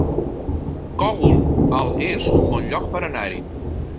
Cogul, el es un bon lloc per anar-hi